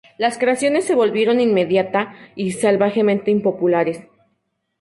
Las creaciones se volvieron inmediata y salvajemente impopulares.